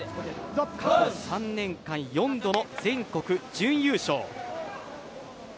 過去３年間、４度の全国準優勝。